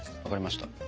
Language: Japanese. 分かりました。